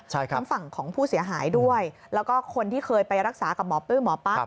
ทั้งฝั่งของผู้เสียหายด้วยแล้วก็คนที่เคยไปรักษากับหมอปื้หมอปั๊ก